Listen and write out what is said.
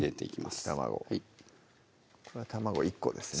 溶き卵これは卵１個ですね